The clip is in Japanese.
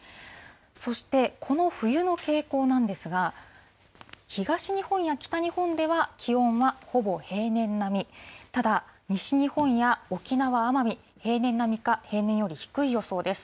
そしてこの冬の傾向なんですが、東日本や北日本では、気温はほぼ平年並み、ただ西日本や沖縄・奄美、平年並みか平年より低い予想です。